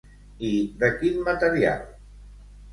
I de quin material?